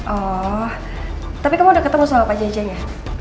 oh tapi kamu udah ketemu soal pak jj nya